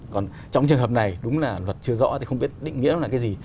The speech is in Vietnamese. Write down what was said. còn trong trường hợp này đúng là luật chưa rõ thì không biết định nghĩa là cái gì